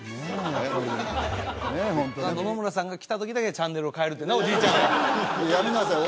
ホントに野々村さんが来た時だけチャンネルを変えるってねおじいちゃんがやめなさい